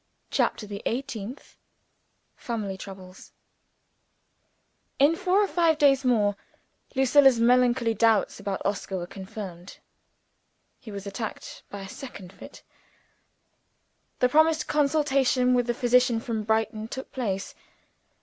CHAPTER THE EIGHTEENTH Family Troubles IN four or five days more, Lucilla's melancholy doubts about Oscar were confirmed. He was attacked by a second fit. The promised consultation with the physician from Brighton took place.